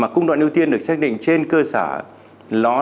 cung đoạn ưu tiên được xác định trên cơ sở